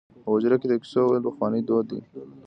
په حجره کې د کیسو ویل پخوانی دود دی.